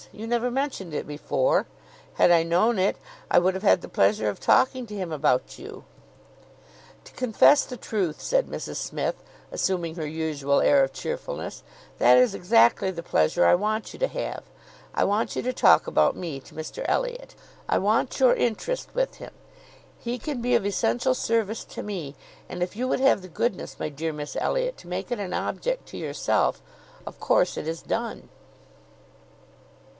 You never mentioned it before. Had I known it, I would have had the pleasure of talking to him about you." "To confess the truth," said Mrs Smith, assuming her usual air of cheerfulness, "that is exactly the pleasure I want you to have. I want you to talk about me to Mr Elliot. I want your interest with him. He can be of essential service to me; and if you would have the goodness, my dear Miss Elliot, to make it an object to yourself, of course it is done."